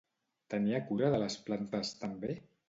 Tenia cura de les plantes també?